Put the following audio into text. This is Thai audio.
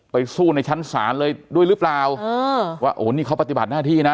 สู้ในชั้นศาลเลยด้วยหรือเปล่าเออว่าโอ้นี่เขาปฏิบัติหน้าที่นะ